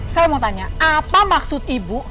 saya mau tanya apa maksud ibu